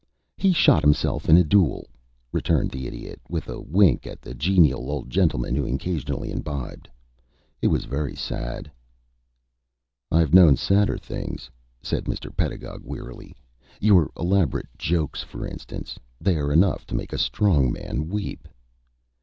"He shot himself in a duel," returned the Idiot, with a wink at the genial old gentleman who occasionally imbibed. "It was very sad." "I've known sadder things," said Mr. Pedagog, wearily. "Your elaborate jokes, for instance. They are enough to make strong men weep."